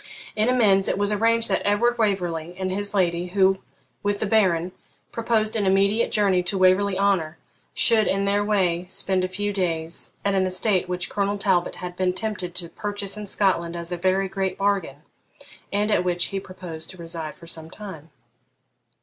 In amends it was arranged that Edward Waverley and his lady, who, with the Baron, proposed an immediate journey to Waverley Honour, should in their way spend a few days at an estate which Colonel Talbot had been tempted to purchase in Scotland as a very great bargain, and at which he proposed to reside for some time.